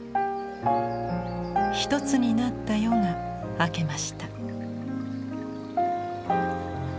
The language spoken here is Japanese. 一つになった夜が明けました。